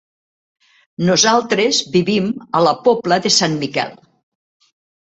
Nosaltres vivim a la Pobla de Sant Miquel.